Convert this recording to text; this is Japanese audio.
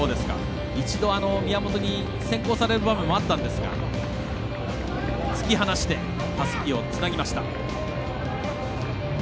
一度、宮本に先行される場面もありましたが突き放してたすきをつなぎました。